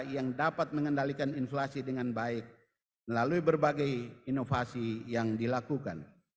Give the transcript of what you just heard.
yang dapat mengendalikan inflasi dengan baik melalui berbagai inovasi yang dilakukan